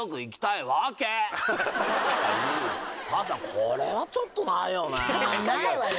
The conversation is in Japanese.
これはちょっとないよねないわよ